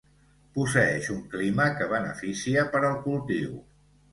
Posseeix un clima que beneficia per al cultiu.